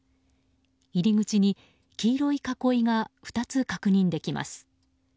入口に黄色い囲いが２つ確認できます。